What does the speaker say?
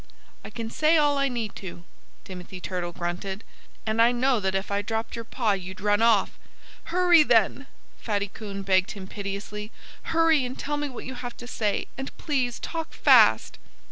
"I can say all I need to," Timothy Turtle grunted. "And I know that if I dropped your paw you'd run off." "Hurry, then!" Fatty Coon begged him piteously. "Hurry and tell me what you have to say. And please talk fast!"